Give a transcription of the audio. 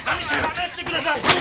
離してください！